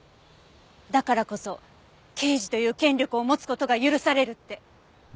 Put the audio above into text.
「だからこそ刑事という権力を持つ事が許される」って。